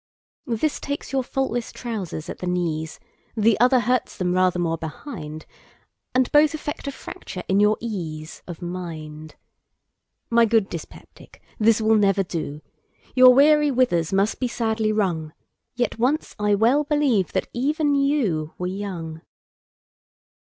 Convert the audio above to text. This takes your faultless trousers at the knees, The other hurts them rather more behind; And both effect a fracture in your easeOf mind.My good dyspeptic, this will never do; Your weary withers must be sadly wrung! Yet once I well believe that even youWere young.